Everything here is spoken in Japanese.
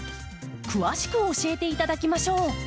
詳しく教えていただきましょう。